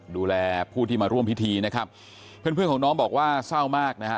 ดูแลผู้ที่มาร่วมพิธีนะครับเพื่อนเพื่อนของน้องบอกว่าเศร้ามากนะฮะ